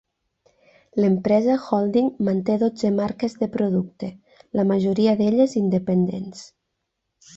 L'empresa holding manté dotze marques de producte, la majoria d'elles independents.